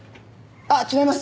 あっ違います